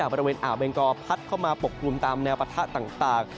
บริเวณอ่าวเบงกอพัดเข้ามาปกกลุ่มตามแนวปะทะต่าง